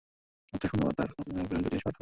আচ্ছা শোন, তোর পছন্দের জিনিস পাঠালাম।